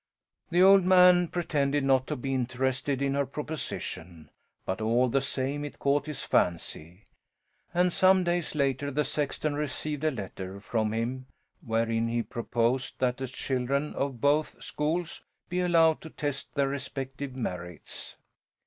The old man pretended not to be interested in her proposition, but all the same it caught his fancy. And some days later the sexton received a letter from him wherein he proposed that the children of both schools be allowed to test their respective merits.